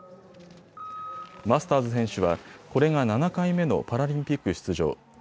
マスターズ選手はこれが７回目のパラリンピック出場。